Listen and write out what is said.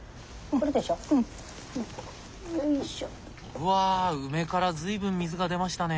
うわ梅から随分水が出ましたね。